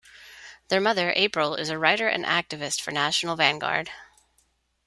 Their mother, April, is a writer and activist for National Vanguard.